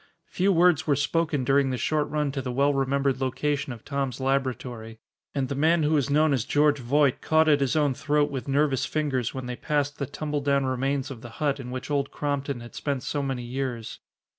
Few words were spoken during the short run to the well remembered location of Tom's laboratory, and the man who was known as George Voight caught at his own throat with nervous fingers when they passed the tumbledown remains of the hut in which Old Crompton had spent so many years.